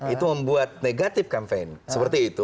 itu membuat negatif kampanye